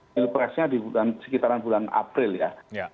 pilpresnya di sekitaran bulan april ya